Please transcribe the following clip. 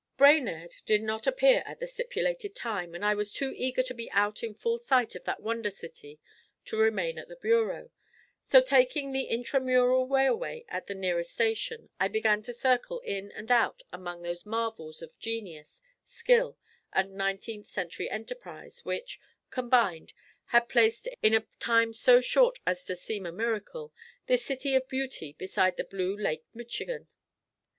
Brainerd did not appear at the stipulated time, and I was too eager to be out in full sight of that wonder city to remain at the bureau; so taking the Intramural Railway at the nearest station I began to circle in and out among those marvels of genius, skill, and nineteenth century enterprise which, combined, had placed, in a time so short as to seem a miracle, this city of beauty beside the blue Lake Michigan.